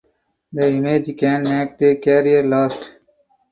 The image can make the career last.